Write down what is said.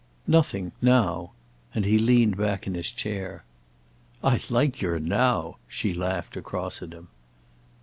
"Nothing—now." And he leaned back in his chair. "I like your 'now'!" she laughed across at him.